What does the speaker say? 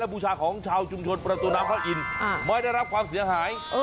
และบูชาของชาวชุมชนประตูนาข้าวอินไม่ได้รับความเสียหาย